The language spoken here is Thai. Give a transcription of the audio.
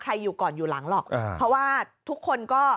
อยู่ก่อนอยู่หลังหรอกเพราะว่าทุกคนก็